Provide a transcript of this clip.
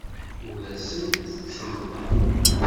Ur asent-d-ttennḍeɣ.